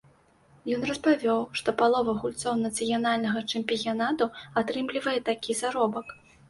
Ён распавёў, што палова гульцоў нацыянальнага чэмпіянату атрымлівае такі заробак.